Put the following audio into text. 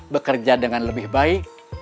bekerja dengan lebih baik